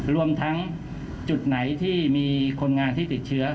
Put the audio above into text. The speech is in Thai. รวมทั้งจุดไหนที่มีคนงานที่ติดเชื้อ